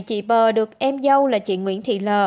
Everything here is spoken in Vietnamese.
chị pê được em dâu là chị nguyễn thị l